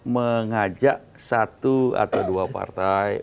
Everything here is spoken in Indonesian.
mengajak satu atau dua partai